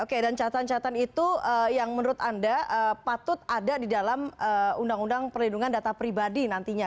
oke dan catatan catatan itu yang menurut anda patut ada di dalam undang undang perlindungan data pribadi nantinya